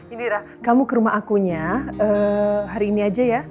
ini kamu ke rumah akunya hari ini aja ya